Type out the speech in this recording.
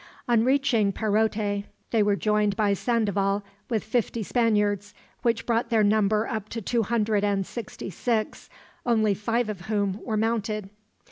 On reaching Perote they were joined by Sandoval with fifty Spaniards, which brought their number up to two hundred and sixty six, only five of whom were mounted.